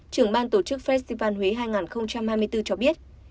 trưởng ban tổ chức festival huế hai nghìn hai mươi bốn cho biết